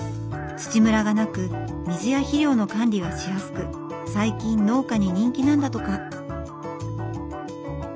土ムラがなく水や肥料の管理がしやすく最近農家に人気なんだとか。